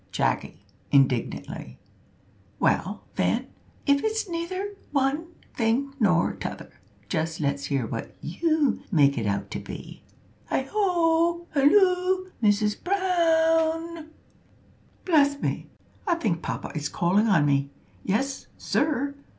Jacky, (indignantly). "Well, then, if it's neither one thing nor t'other, just let's hear what you make it out to be " ("Hi! ho! halloo! Mrs Bra a own!") "Bless me, I think papa is calling on me. Yes, sir.